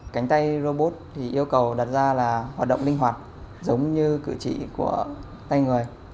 cánh tay robot yêu cầu đặt ra hoạt động linh hoạt giống như cử chỉ của tay người